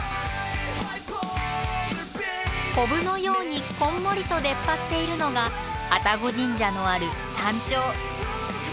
コブのようにこんもりと出っ張っているのが愛宕神社のある山頂。